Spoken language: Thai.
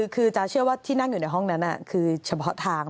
คือจ๊ะเชื่อว่าที่นั่งอยู่ในห้องนั้นคือเฉพาะทาง